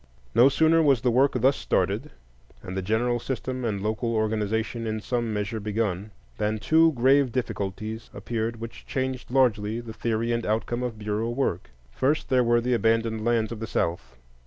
No sooner was the work thus started, and the general system and local organization in some measure begun, than two grave difficulties appeared which changed largely the theory and outcome of Bureau work. First, there were the abandoned lands of the South.